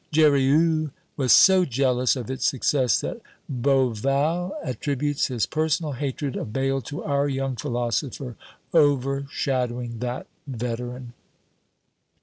Jurieu was so jealous of its success, that Beauval attributes his personal hatred of Bayle to our young philosopher overshadowing that veteran.